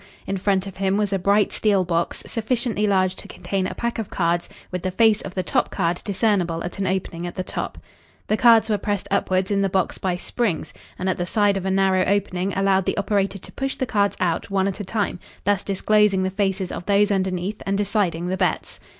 In front of him was a bright steel box sufficiently large to contain a pack of cards with the face of the top card discernible at an opening at the top. The cards were pressed upwards in the box by springs, and at the side a narrow opening allowed the operator to push the cards out one at a time, thus disclosing the faces of those underneath and deciding the bets.